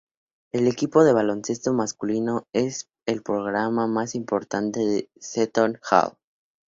El equipo de baloncesto masculino es el programa más importante de Seton Hall.